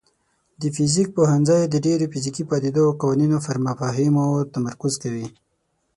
د فزیک پوهنځی د ډیرو فزیکي پدیدو او قوانینو پر مفاهیمو تمرکز کوي.